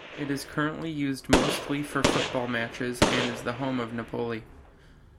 It is currently used mostly for football matches and is the home of Napoli.